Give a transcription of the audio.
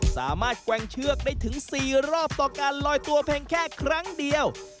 แกว่งเชือกได้ถึง๔รอบต่อการลอยตัวเพียงแค่ครั้งเดียว